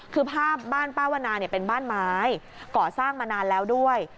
คือภาพบ้านป้าวนาเป็นบ้านไม้ก่อสร้างมานานแล้วด้วย